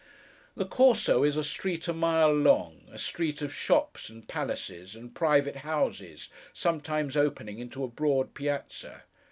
The Corso is a street a mile long; a street of shops, and palaces, and private houses, sometimes opening into a broad piazza.